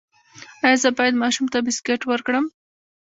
ایا زه باید ماشوم ته بسکټ ورکړم؟